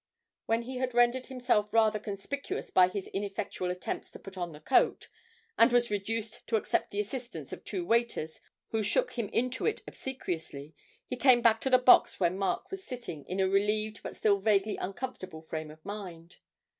When he had rendered himself rather conspicuous by his ineffectual attempts to put on the coat, and was reduced to accept the assistance of two waiters who shook him into it obsequiously, he came back to the box where Mark was sitting in a relieved but still vaguely uncomfortable frame of mind.